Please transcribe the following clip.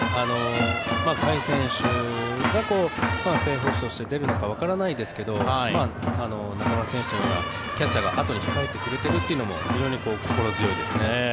甲斐選手が正捕手として出るのかわからないですけど中村選手のようなキャッチャーがあとに控えてくれているというのも非常に心強いですね。